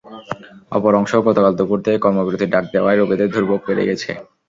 অপর অংশও গতকাল দুপুর থেকে কর্মবিরতির ডাক দেওয়ায় রোগীদের দুর্ভোগ বেড়ে গেছে।